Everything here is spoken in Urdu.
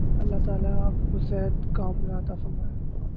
اللہ تعالی آپ کو صحت ِکاملہ عطا فرمائے